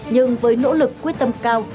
nhưng với nỗ lực quyết tâm cao